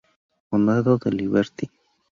Condado de Liberty